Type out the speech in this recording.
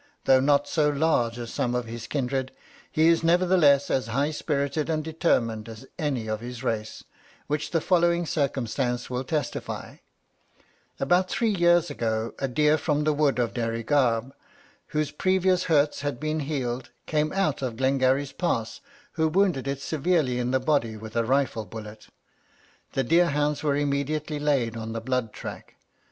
Though not so large as some of his kindred, he is nevertheless as high spirited and determined as any of his race, which the following circumstance will testify: 'About three years ago, a deer from the wood of Derrygarbh, whose previous hurts had been healed, came out of Glengarry's pass, who wounded it severely in the body with a rifle bullet. The deer hounds were immediately laid on the blood track.